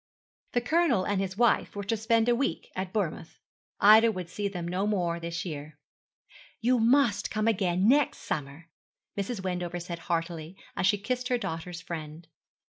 The Colonel and his wife were to spend a week at Bournemouth. Ida would see them no more this year. 'You must come again next summer, Mrs. Wendover said heartily, as she kissed her daughter's friend.